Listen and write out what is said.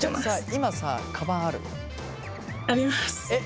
今さカバンある？あります。